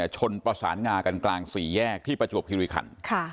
ชนประสานงากันกลางสี่แยกที่ประจวบคิริคัน